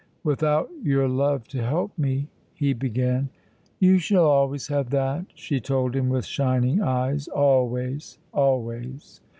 "Without your love to help me " he began. "You shall always have that," she told him with shining eyes, "always, always."